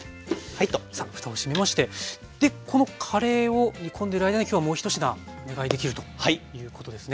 さあふたを閉めましてでこのカレーを煮込んでる間に今日はもう一品お願いできるということですね。